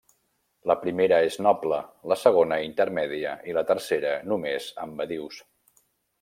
La primera és noble, la segona intermèdia i la tercera només amb badius.